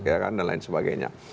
ya kan dan lain sebagainya